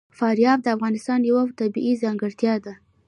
فاریاب د افغانستان یوه طبیعي ځانګړتیا ده.